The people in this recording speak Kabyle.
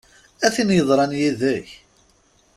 A tin yeḍran yid-k!